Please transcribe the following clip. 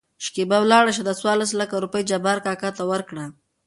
شکېبا : ولاړ شه دا څورلس لکه روپۍ جبار کاکا ته ورکړه.